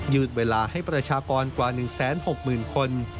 ืดเวลาให้ประชากรกว่า๑๖๐๐๐คน